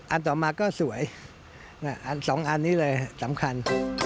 ต่อมาก็สวยอันสองอันนี้เลยสำคัญ